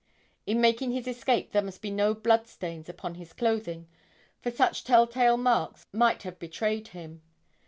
In making his escape there must be no blood stains upon his clothing; for such tell tale marks might have betrayed him.